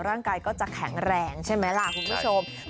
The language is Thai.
ร่างกายก็จะแข็งแรงใช่ไหมล่ะคุณผู้ชม